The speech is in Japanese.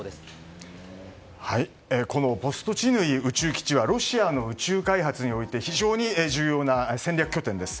このボストチヌイ宇宙基地はロシアの宇宙開発において非常に重要な戦略拠点です。